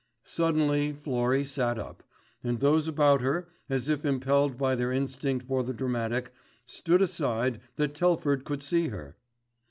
Suddenly Florrie sat up, and those about her, as if impelled by their instinct for the dramatic, stood aside that Telford could see her.